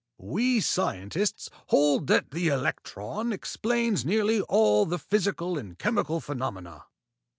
"We scientists hold that the electron explains nearly all the physical and chemical phenomena.